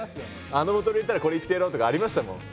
あのこと言ったらこれ言ってやろうとかありましたもん。